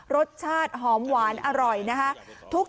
รสชาติหอมหวานอร่อยนะคะ